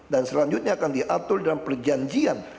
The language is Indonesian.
dan selanjutnya akan diatur dalam perjanjian